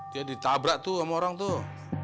dia ditabrak tuh sama orang tuh